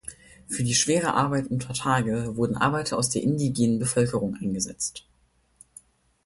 Für die schwere Arbeit unter Tage wurden Arbeiter aus der indigenen Bevölkerung eingesetzt.